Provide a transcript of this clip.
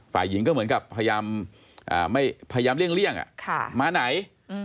ฝ่ายหญิงก็เหมือนกับพยายามเลี่ยงมาไหน